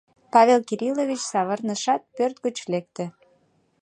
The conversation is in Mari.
Павел Кириллович савырнышат, пӧрт гыч лекте.